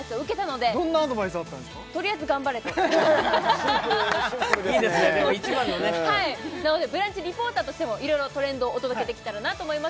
でも一番のねなのでブランチリポーターとしてもいろいろトレンドをお届けできたらなと思います